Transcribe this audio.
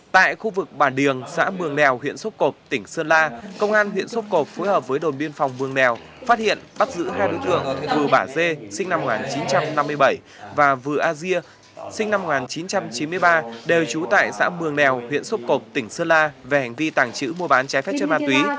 tại khu vực bản điềng xã mường nèo huyện xúc cộp tỉnh sơn la công an huyện xúc cộp phối hợp với đồn biên phòng mường nèo phát hiện bắt giữ hai đối tượng vừa bả dê sinh năm một nghìn chín trăm năm mươi bảy và vừa asia sinh năm một nghìn chín trăm chín mươi ba đều trú tại xã mường nèo huyện xúc cộp tỉnh sơn la về hành vi tàng trữ mua bán trái phép trên ma túy